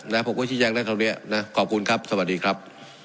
นะครับผมก็ชิดแจ้งได้ครั้งเนี้ยนะขอบคุณครับสวัสดีครับ